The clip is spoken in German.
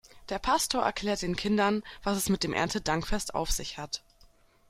Der Pastor erklärt den Kindern, was es mit dem Erntedankfest auf sich hat.